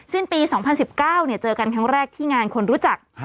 สิ้นปี๒๐๑๙เจอกันครั้งแรกที่งานคนรู้จัก